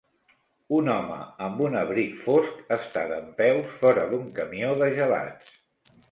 Un home amb un abric fosc està dempeus fora d'un camió de gelats.